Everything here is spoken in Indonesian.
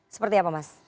seperti apa mas